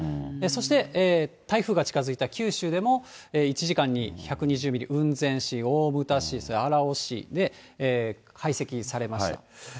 そして台風が近づいた九州でも、１時間に１２０ミリ、雲仙市、大牟田市、それから荒尾市で解析されました。